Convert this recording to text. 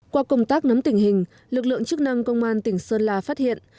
qua công tác nắm tình hình lực lượng chức năng công an tỉnh sơn la phát hiện